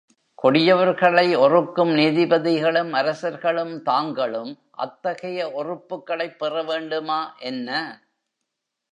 கொடியவர்களை ஒறுக்கும் நீதிபதிகளும் அரசர்களும் தாங்களும் அத்தகைய ஒறுப்புகளைப் பெற வேண்டுமா என்ன?